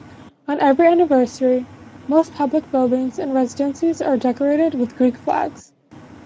On every anniversary, most public buildings and residences are decorated with Greek flags.